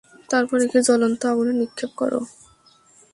তারপর একে জ্বলন্ত আগুনে নিক্ষেপ কর।